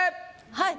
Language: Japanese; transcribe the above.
はい。